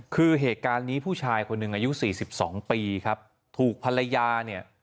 คือเหตุการณ์นี้ผู้ชายคนหนึ่งอายุ๔๒ปีครับถูกภรรยา